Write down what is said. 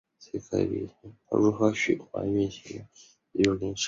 斯巴达的国家体系基本上已完全军事化。